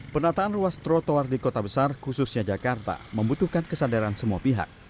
penataan ruas trotoar di kota besar khususnya jakarta membutuhkan kesadaran semua pihak